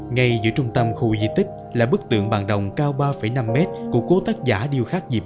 ngay giữa trung tâm khu di tích là bức tượng bàn đồng cao ba năm m của cố tác giả điêu khắc diệp